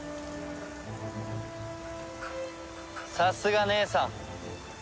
さすが姉さん。